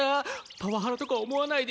パワハラとか思わないで！